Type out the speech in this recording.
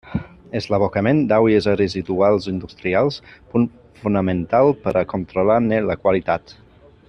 És l'abocament d'aigües residuals industrials punt fonamental per a controlar-ne la qualitat.